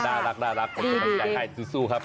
ดารักดีสู้ครับ